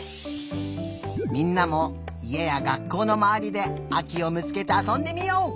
みんなもいえや学校のまわりであきをみつけてあそんでみよう！